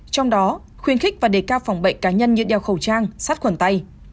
trong đó khuyến khích và đề cao phòng bệnh cá nhân như đeo khẩu trang sát khuẩn tay